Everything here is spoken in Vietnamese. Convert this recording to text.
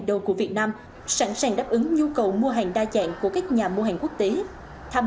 đầu của việt nam sẵn sàng đáp ứng nhu cầu mua hàng đa dạng của các nhà mua hàng quốc tế tham